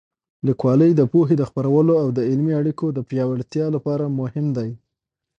لیکوالی د پوهې د خپرولو او د علمي اړیکو د پیاوړتیا لپاره مهم دی.